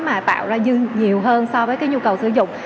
mà tạo ra nhiều hơn so với cái nhu cầu sử dụng